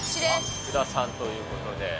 福田さんということで。